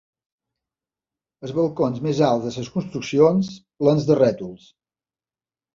Els balcons més alts de les construccions, plens de rètols